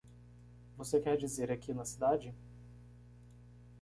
Você quer dizer aqui na cidade?